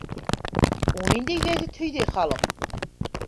У ниндәй гәзит һөйҙәй халыҡ?